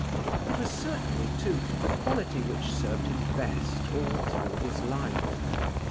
It was certainly, too, the quality which served him best all through his life.